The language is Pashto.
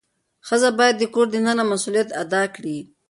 ښځه باید د کور دننه مسؤلیت ادا کړي.